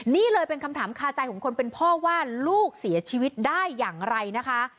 นี่เลยเป็นคำถามคาใจของคนเป็นพ่อว่าลูกเสียชีวิตได้อย่างไรนะคะ